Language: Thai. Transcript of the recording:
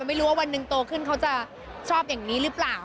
ไม่รู้ว่าวันหนึ่งโตขึ้นเขาจะชอบอย่างนี้หรือเปล่า